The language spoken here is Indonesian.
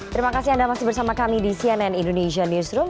terima kasih anda masih bersama kami di cnn indonesia newsroom